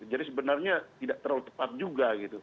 jadi sebenarnya tidak terlalu tepat juga